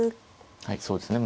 はいそうですね。